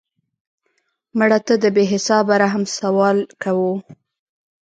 مړه ته د بې حسابه رحم سوال کوو